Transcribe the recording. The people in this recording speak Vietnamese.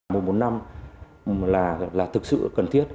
một năm là thực sự cần thiết